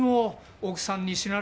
奥さんに死なれ。